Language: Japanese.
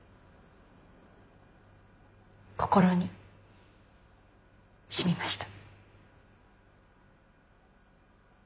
心にしみました。